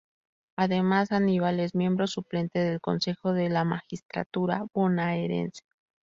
Además, Anibal es miembro suplente del Consejo de la Magistratura bonaerense.